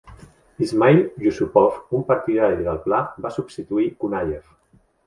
Ismail Yusupov, un partidari del pla, va substituir Kunayev.